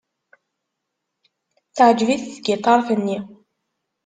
Teɛjeb-it tgiṭart-nni.